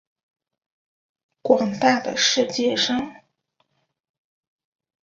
广大的世界上